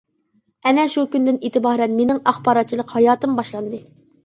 ئەنە شۇ كۈندىن ئېتىبارەن مېنىڭ ئاخباراتچىلىق ھاياتىم باشلاندى.